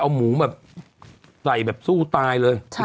เอาหมูมันใส่สู้ตายเลย